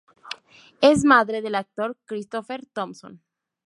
Es madre del actor Christopher Thompson.